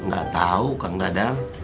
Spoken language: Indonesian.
gak tau kang dadang